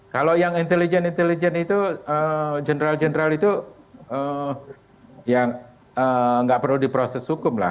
kalau yang intelijen intelijen itu general general itu ya nggak perlu diproses hukum lah